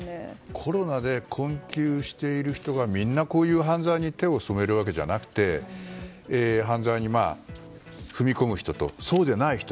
コロナで困窮している人がみんなこういう犯罪に手を染めるわけではなくて犯罪に踏み込む人とそうでない人